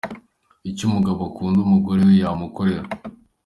Icyo umugabo ukunda umugore we yamukorera.